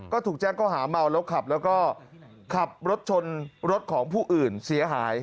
ก็ถูกแจ้งเขาหาเมาแล้วขับแล้วก็ขับรถชนรถของผู้อื่นเสียหาย